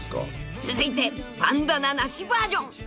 ［続いてバンダナなしバージョン］